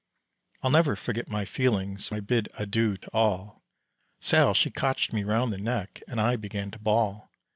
I'll never forget my feelings When I bid adieu to all. Sal, she cotched me round the neck And I began to bawl.